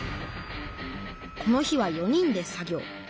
この日は４人で作業。